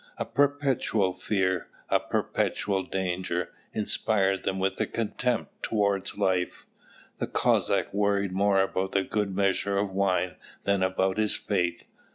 A perpetual fear, a perpetual danger, inspired them with a contempt towards life. The Cossack worried more about a good measure of wine than about his fate.